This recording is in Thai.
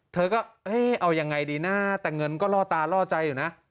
เธอก็เอ๊ะเอายังไงดีนะแต่เงินก็ล่อตาล่อใจอยู่นะ